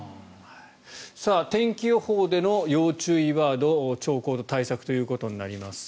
天気予報での要注意ワード兆候と対策ということになります。